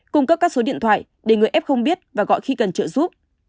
cung cấp các số điện thoại để người f biết và gọi khi cần trợ giúp